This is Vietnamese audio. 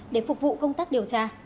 để phục vụ công tác điều tra